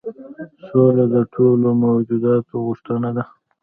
سوله د ټولو موجوداتو غوښتنه ده.